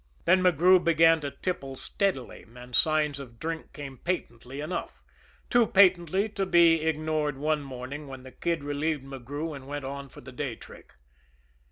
Then McGrew began to tipple steadily, and signs of drink came patently enough too patently to be ignored one morning when the Kid relieved McGrew and went on for the day trick.